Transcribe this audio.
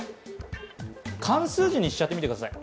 漢数字にしちゃってみてください。